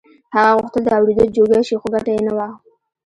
هغه غوښتل د اورېدو جوګه شي خو ګټه يې نه وه.